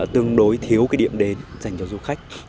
tương đối thiếu cái điểm đến dành cho du khách